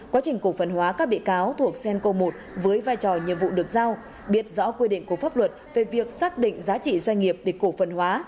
quá trình cổ phân hóa các bị cáo thuộc sienco i với vai trò nhiệm vụ được giao biết rõ quy định của pháp luật về việc xác định giá trị doanh nghiệp để cổ phân hóa